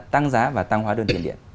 tăng giá và tăng hóa đơn tiền điện